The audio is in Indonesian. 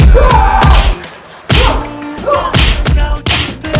kamu tungguin di sini ya